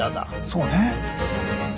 そうね。